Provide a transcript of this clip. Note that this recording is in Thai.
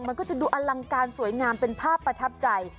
มันก็จะดูอลังการสวยงามเป็นภาพประทับใจ